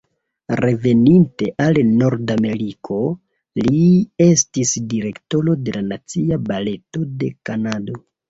Reveninte al Nordameriko, li estis direktoro de la Nacia Baleto de Kanado.